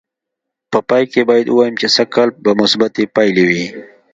په پای کې باید ووایم چې سږ کال به مثبتې پایلې وې.